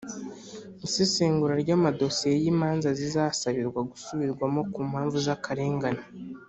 isesengura ry’amadosiye y’imanza zisabirwa gusubirwamo ku mpamvu z’akarengane